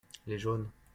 les jaunes.